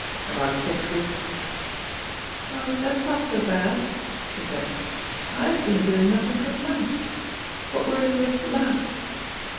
"About six weeks." "Oh, that's not so bad,'* she said; '^Fve been doing nothing for months. What were you with last?"